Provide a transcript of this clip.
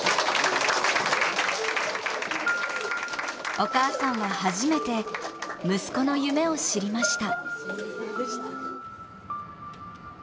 お母さんは初めて、息子の夢を知りました。